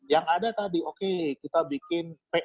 yang ada tadi oke kita bikin pob